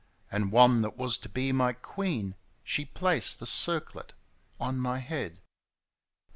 And one that was to be my queen. She placed the circlet on my head.